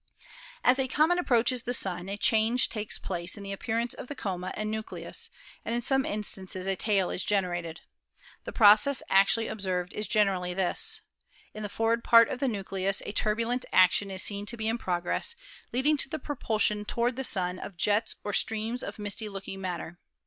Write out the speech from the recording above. "As a comet approaches the Sun a change takes place in the appearance of the coma and nucleus, and in some instances a tail is generated. The process actually ob served is generally this: In the forward part of the nucleus a turbulent action is seen to be in progress, lead ing to the propulsion toward the Sun of jets or streams of misty looking matter.